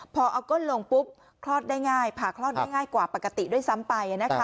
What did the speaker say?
พอเอาก้นลงปุ๊บคลอดได้ง่ายผ่าคลอดได้ง่ายกว่าปกติด้วยซ้ำไป